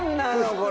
これ。